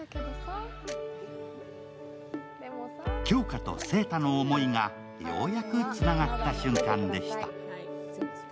杏花と晴太の思いがようやくつながった瞬間でした。